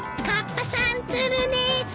カッパさん釣るです。